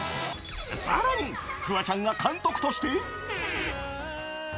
さらに、フワちゃんが監督として。